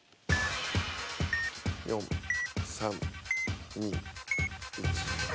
４３２１。